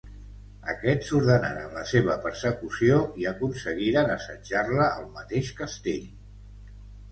Aquests ordenaren la seva persecució i aconseguiren assetjar-la al mateix castell.